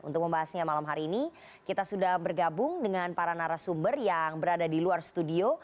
untuk membahasnya malam hari ini kita sudah bergabung dengan para narasumber yang berada di luar studio